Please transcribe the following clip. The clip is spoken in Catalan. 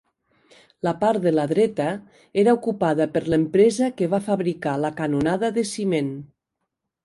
La part de la dreta era ocupada per l'empresa que va fabricar la canonada de ciment.